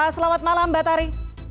selamat malam mbak tari